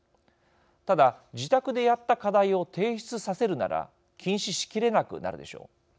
ただ、自宅でやった課題を提出させるなら禁止しきれなくなるでしょう。